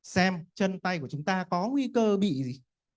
xem chân tay của chúng ta có nguy cơ bị gì